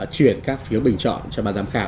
chuyển các phiếu bình chọn cho bà giám khảo